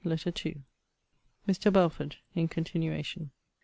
LETTER II MR. BELFORD [IN CONTINUATION.